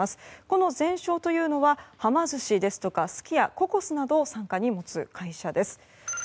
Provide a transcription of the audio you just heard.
このゼンショーというのははま寿司ですとか、すき家ココスなどを傘下に持つ会社です。